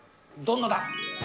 どんなだ。